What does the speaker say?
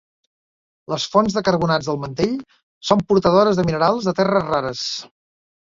Les fonts de carbonats del mantell són portadores de minerals de terres rares.